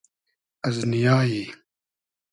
از نییای